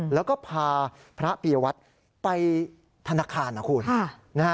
แล้วก็พาพระปียวัตรไปธนาคารนะคุณ